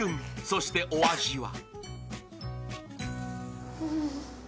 そしてお味は？